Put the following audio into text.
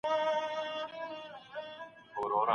که هغه رانه سي، اوږده پاڼه به ډنډ ته ونه یوسي.